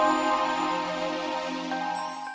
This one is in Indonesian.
aku mau ke sana